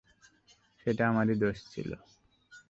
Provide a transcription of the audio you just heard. সেটা আমারই দোষ ছিল।